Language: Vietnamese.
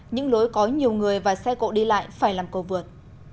những lối có nhiều người và xe cộ đi lại phải làm cầu vượt